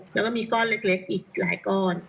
แล้วก็มีก้อนเล็กอีกหลายก้อน